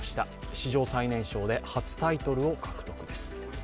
史上最年少で初タイトルを獲得です。